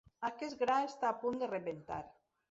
Aquest gra està a punt de rebentar.